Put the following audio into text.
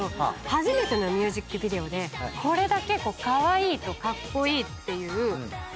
初めてのミュージックビデオでこれだけカワイイとカッコイイっていう。